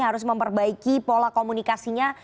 harus memperbaiki pola komunikasinya